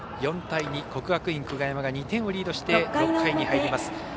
４対２、国学院久我山が２点をリードして６回に入ります。